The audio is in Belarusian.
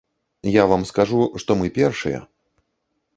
Я вам скажу, што мы першыя.